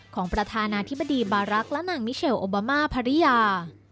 ของประธานาธิบดีบารักษ์และนางมิเชลโอบามาภรรยา